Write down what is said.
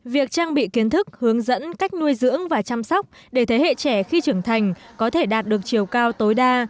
việc trang bị kiến thức hướng dẫn cách nuôi dưỡng và chăm sóc để thế hệ trẻ khi trưởng thành có thể đạt được chiều cao tối đa